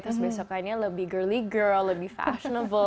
terus besoknya lebih girly girl lebih fashionable